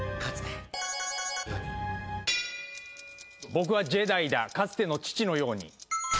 「僕はジェダイだかつての父のように」